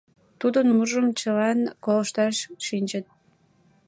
Тудын мурыжым чылан колышташ шинчыт.